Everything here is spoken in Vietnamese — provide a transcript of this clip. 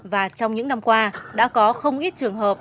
và trong những năm qua đã có không ít trường hợp